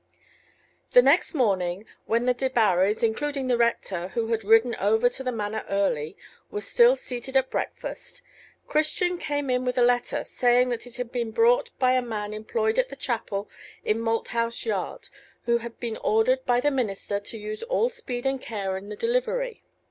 The next morning, when the Debarrys, including the rector, who had ridden over to the Manor early, were still seated at breakfast, Christian came in with a letter, saying that it had been brought by a man employed at the chapel in Malthouse Yard, who had been ordered by the minister to use all speed and care in the delivery.